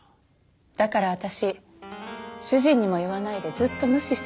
だから私主人にも言わないでずっと無視してたんです。